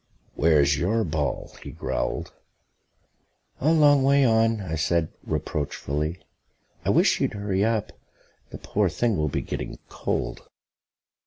"Where's your ball?" he growled. "A long way on," I said reproachfully. "I wish you'd hurry up. The poor thing will be getting cold."